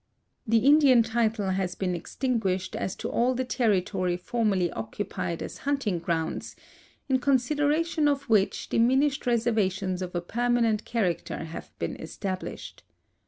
Tiie Indian title has been extinguished as to all the territory formerly occupied as hunting grounds, in consideration of which diminished reserva tions of a permanent character have been established.